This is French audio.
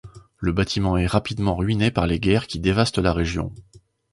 Le bâtiment est rapidement ruiné par les guerres qui dévastent la région.